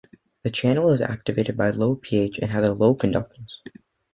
The channel is activated by low pH and has a low conductance.